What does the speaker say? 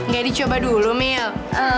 gak dicoba dulu amel